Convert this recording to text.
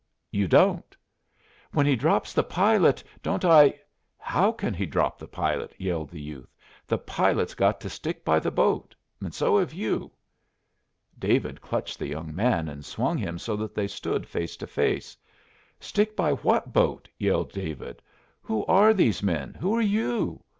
"You don't!" "When he drops the pilot, don't I " "How can he drop the pilot?" yelled the youth. "The pilot's got to stick by the boat. So have you." David clutched the young man and swung him so that they stood face to face. "Stick by what boat?" yelled David. "Who are these men? Who are you?